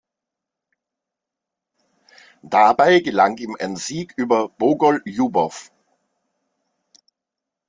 Dabei gelang ihm ein Sieg über Bogoljubow.